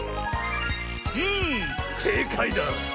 んせいかいだ！